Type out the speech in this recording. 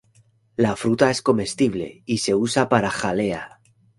La fruta es comestible y se usa para jalea.